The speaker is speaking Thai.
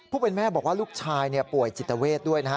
เป็นแม่บอกว่าลูกชายป่วยจิตเวทด้วยนะฮะ